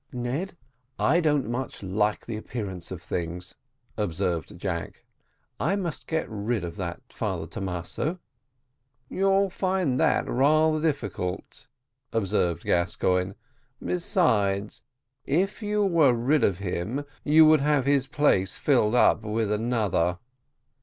"Ned, I don't much like the appearance of things," observed Jack; "I must get rid of that Father Thomaso." "You'll find that rather difficult," observed Gascoigne; "besides, if you get rid of him you would have his place filled up with another."